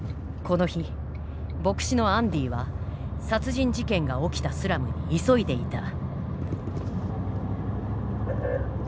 この日牧師のアンディは殺人事件が起きたスラムに急いでいた。